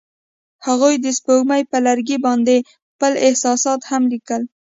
هغوی د سپوږمۍ پر لرګي باندې خپل احساسات هم لیکل.